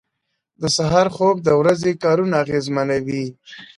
• د سهار خوب د ورځې کارونه اغېزمنوي.